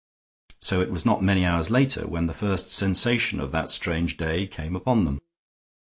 So that it was not many hours later when the first sensation of that strange day came upon them.